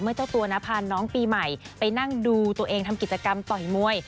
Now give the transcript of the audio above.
เจ้าตัวนะพาน้องปีใหม่ไปนั่งดูตัวเองทำกิจกรรมต่อยมวย